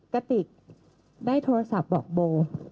กระติกได้โทรศัพท์บอกโบ